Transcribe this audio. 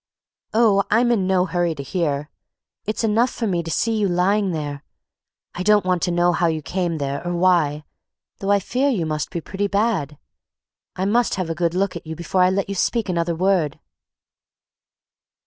"Oh, I'm in no hurry to hear. It's enough for me to see you lying there. I don't want to know how you came there, or why, though I fear you must be pretty bad. I must have a good look at you before I let you speak another word!"